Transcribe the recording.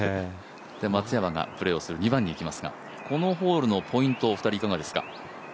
松山がプレーをする２番にいきますがこのホールのポイント、お二人いかがですか？